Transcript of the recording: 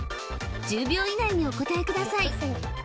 １０秒以内にお答えください